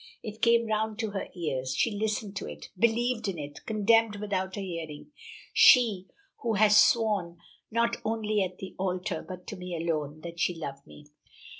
It came round to her ears. She listened to it believed in it condemned without a hearing. She, who has sworn, not only at the altar, but to me alone, that she loved me."